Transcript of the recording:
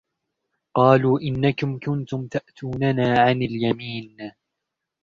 قالوا إنكم كنتم تأتوننا عن اليمين